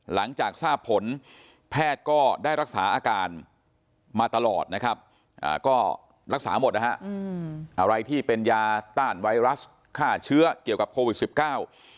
หลังจากทราบผลแพทย์ก็ได้รักษาอาการมาตลอดนะครับอ่าก็รักษาหมดนะฮะอะไรที่เป็นยาต้านไวรัสฆ่าเชื้อเกี่ยวกับโควิดสิบเก้า